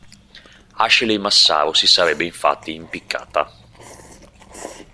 Ashley Massaro si sarebbe infatti impiccata.